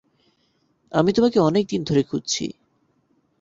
আমি তোমাকে অনেক দিন ধরে খুঁজছি।